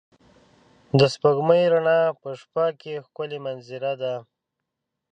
د سپوږمۍ رڼا په شپه کې ښکلی منظره ده.